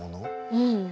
うん。